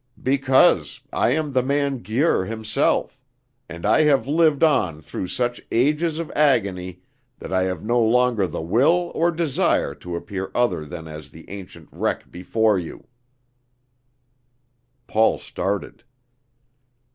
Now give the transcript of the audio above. "_Because I am the man Guir himself; and I have lived on through such ages of agony that I have no longer the will or desire to appear other than as the ancient wreck before you_." Paul started.